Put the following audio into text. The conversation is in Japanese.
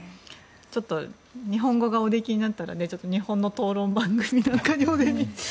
日本語がおできになったら日本の討論番組なんかにも。